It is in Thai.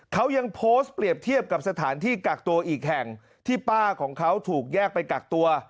เขายังโพสต์เปรียบเทียบกับสถานที่กักตัวอีกแห่งที่ป้าของเขาถูกแยกไปกักตัว